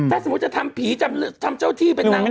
ถ้าสมมุติจะทำผีทำเจ้าที่เป็นนาง